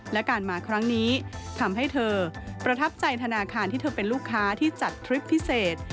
และการมาครั้งนี้ทำให้เธอประทับใจธนาคารที่เธอเป็นลูกค้าที่จัดทริปพิเศษ